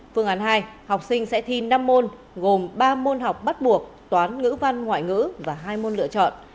phương án hai học sinh sẽ thi năm môn gồm ba môn học bắt buộc và hai môn lựa chọn